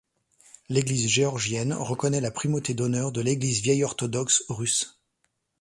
L'Église géorgienne reconnaît la primauté d'honneur de l'Église vieille-orthodoxe russe.